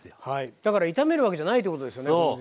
だから炒めるわけじゃないってことですよね。